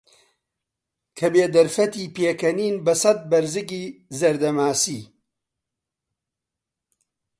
کەبێ دەرفەتی پێکەنینن بەسەد بەرزگی زەردە ماسی